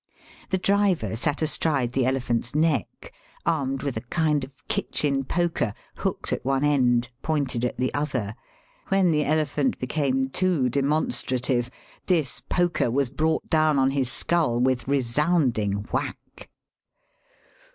The driver sat astride the elephant's neck, armed with a kind of kitchen poker, hooked at one end, pointed at the other. When the elephant became too de monstrative this poker was brought down on his skull with resounding whack.